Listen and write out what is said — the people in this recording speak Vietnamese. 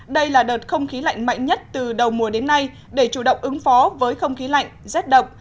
đây là đợt không khí lạnh mạnh nhất từ đầu mùa đến nay để chủ động ứng phó với không khí lạnh rét đậm